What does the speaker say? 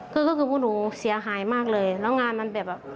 คือก็คือพวกหนูเสียหายมากเลยแล้วงานมันแบบ